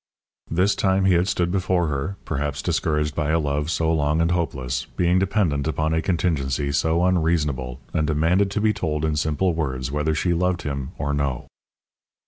This time he had stood before her, perhaps discouraged by a love so long and hopeless, being dependent upon a contingency so unreasonable, and demanded to be told in simple words whether she loved him or no.